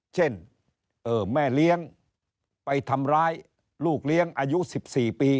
เช่นแม่เลี้ยงไปทำร้ายลูกเลี้ยงอายุ๑๔ปี